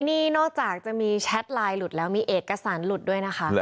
นี่นอกจากจะมีแชทไลน์หลุดแล้วมีเอกสารหลุดด้วยนะคะ